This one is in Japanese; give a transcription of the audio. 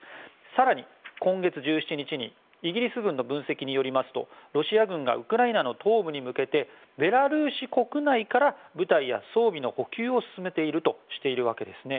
更に今月１７日にイギリス軍の分析によりますとロシア軍がウクライナ東部に向けて、ベラルーシ国内から部隊や装備の補給を進めているとしているわけです。